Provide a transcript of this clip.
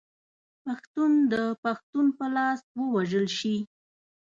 پښتون د پښتون په لاس ووژل شي.